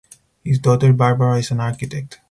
His daughter Barbara is an architect.